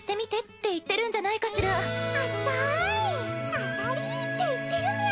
当たりって言ってるみゃ。